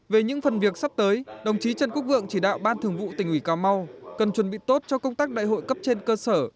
về những phần việc sắp tới đồng chí trần quốc vượng chỉ đạo ban thường vụ tỉnh ủy cà mau cần chuẩn bị tốt cho công tác đại hội cấp trên cơ sở